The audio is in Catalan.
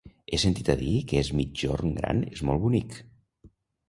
He sentit a dir que Es Migjorn Gran és molt bonic.